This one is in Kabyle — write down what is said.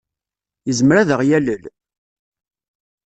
Yezmer ad aɣ-yalel?